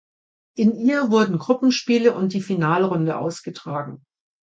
In ihr wurden Gruppenspiele und die Finalrunde ausgetragen.